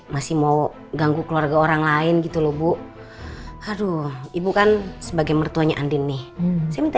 masih mau ganggu keluarga orang lain gitu loh bu aduh ibu kan sebagai mertuanya andin nih saya minta